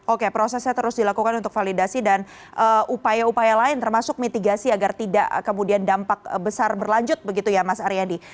oke prosesnya terus dilakukan untuk validasi dan upaya upaya lain termasuk mitigasi agar tidak kemudian dampak besar berlanjut begitu ya mas aryadi